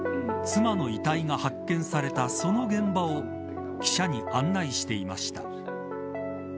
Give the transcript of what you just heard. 妻の遺体が発見されたその現場を記者に案内していました。